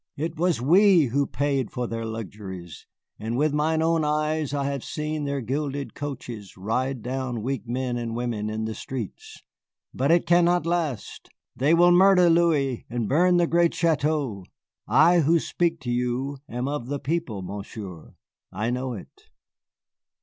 It was we who paid for their luxuries, and with mine own eyes I have seen their gilded coaches ride down weak men and women in the streets. But it cannot last. They will murder Louis and burn the great châteaux. I, who speak to you, am of the people, Monsieur, I know it."